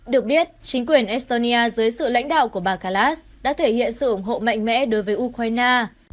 được biết chính quyền estonia dưới sự lãnh đạo của bà khalas đã thể hiện sự ủng hộ mạnh mẽ đối với ukraine